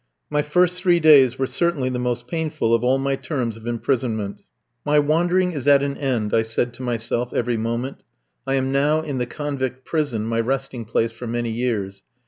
My first three days were certainly the most painful of all my terms of imprisonment. My wandering is at an end, I said to myself every moment. I am now in the convict prison, my resting place for many years.